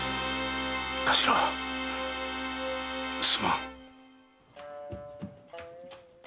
頭すまん！